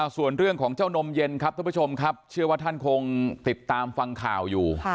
ส่วนเรื่องของเจ้านมเย็นครับท่านผู้ชมครับเชื่อว่าท่านคงติดตามฟังข่าวอยู่